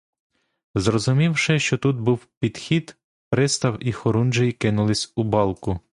Зрозумівши, що тут був підхід, пристав і хорунжий кинулись у балку.